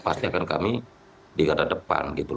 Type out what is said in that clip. pasti akan kami dikatakan depan